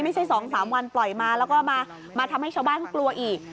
๒๓วันปล่อยมาแล้วก็มาทำให้ชาวบ้านเขากลัวอีก